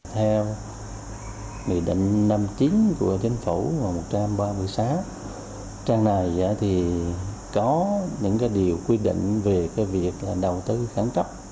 theo nghị định năm chín của chính phủ một trăm ba mươi sáu trang này có những điều quy định về việc đầu tư khẩn cấp